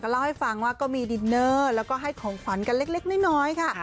เล่าให้ฟังว่าก็มีดินเนอร์แล้วก็ให้ของขวัญกันเล็กน้อยค่ะ